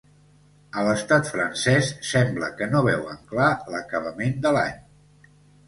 A l’estat francès sembla que no veuen clar l’acabament de l’any.